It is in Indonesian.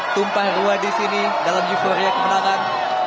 tumpah ruah disini dalam euforia kemenangan